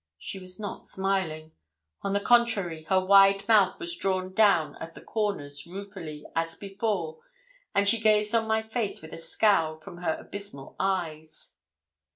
She was not smiling. On the contrary, her wide mouth was drawn down at the corners ruefully, as before, and she gazed on my face with a scowl from her abysmal eyes.